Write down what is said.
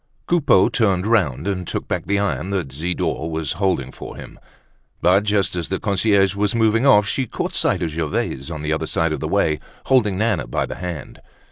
Coupeau turned round, and took back the iron that Zidore was holding for him. But just as the concierge was moving off, she caught sight of Gervaise on the other side of the way, holding Nana by the hand.